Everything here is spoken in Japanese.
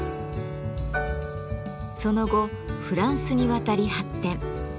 その後フランスに渡り発展。